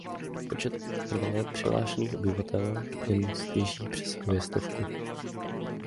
Počet trvale přihlášených obyvatel jen stěží přesahuje stovku.